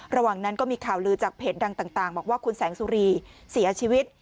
ระหว่างนั้นก็มีข่าวลือจากเพจดังต่างบอกว่าคุณแสงสุรีเสียชีวิต